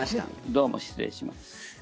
どうも失礼します。